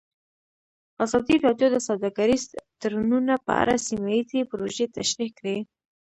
ازادي راډیو د سوداګریز تړونونه په اړه سیمه ییزې پروژې تشریح کړې.